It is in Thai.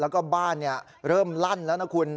แล้วก็บ้านเริ่มลั่นแล้วนะคุณ